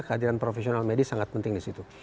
kehadiran profesional medis sangat penting di situ